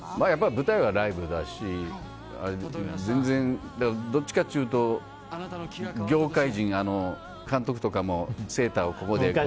舞台はライブだし全然、どっちかというと業界人、監督とかもセーターをここで。